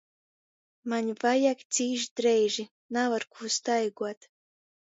Maņ vajag cīš dreiži — nav ar kū staiguot.